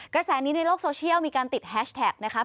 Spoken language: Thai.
กระแสนี้ในโลกโซเชียลมีการติดแฮชแท็กนะครับ